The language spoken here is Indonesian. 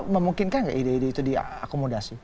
memungkinkan nggak ide ide itu diakomodasi